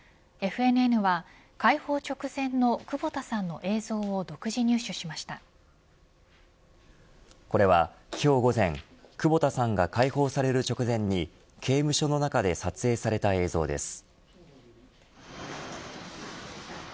ＦＮＮは、解放直前の久保田さんの映像をこれは今日午前久保田さんが解放される直前に刑務所の中で撮影された映像です。